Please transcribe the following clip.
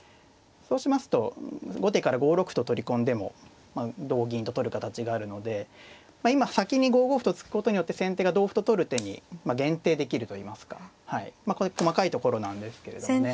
そうしますと後手から５六歩と取り込んでもまあ同銀と取る形があるので今先に５五歩と突くことによって先手が同歩と取る手に限定できるといいますかこれ細かいところなんですけれどもね。